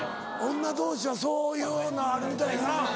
女同士はそういうのあるみたいやな。